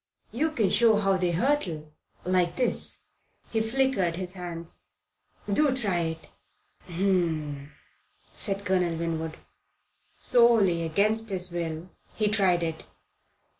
You can show how they hurtle, like this " He flickered his hands. "Do try it." "H'm!" said Colonel Winwood. Sorely against his will, he tried it.